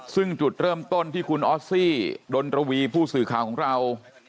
ซึ่งจุดเริ่มต้นที่คุณออสซี่ดนรวีผู้สื่อข่าวของเรา